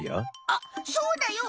あっそうだよ！